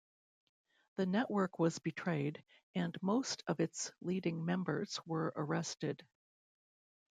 The network was betrayed and most of its leading members were arrested.